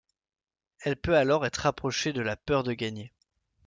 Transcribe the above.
Elle peut alors être rapprochée de la peur de gagner.